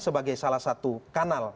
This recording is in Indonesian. sebagai salah satu kanal